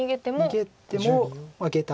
逃げてもゲタで。